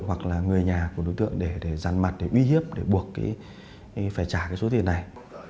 hoặc là người nhà của đối tượng để giàn mặt để uy hiếp để buộc phải trả cái số tiền này